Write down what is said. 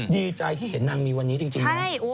ดีใจที่เห็นนางมีวันนี้จริงนะ